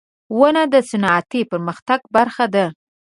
• ونه د صنعتي پرمختګ برخه ده.